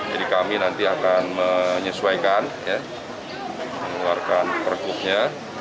jadi kami nanti akan menyesuaikan mengeluarkan perhubungannya